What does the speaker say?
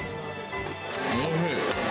おいしい。